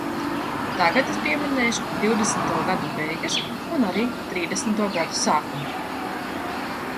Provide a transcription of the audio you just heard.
Tagad es pieminēšu divdesmito gadu beigas un arī trīsdesmito gadu sākumu.